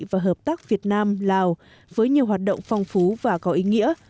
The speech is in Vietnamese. và hợp tác việt nam lào với nhiều hoạt động phong phú và có ý nghĩa